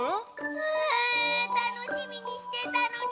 ううんたのしみにしてたのに！